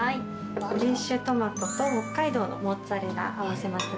フレッシュトマトと北海道のモッツァレラ合わせました